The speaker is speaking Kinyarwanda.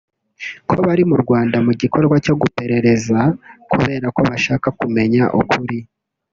ko bari mu Rwanda mu gikorwa cyo guperereza kubera ko bashaka kumenya ukuri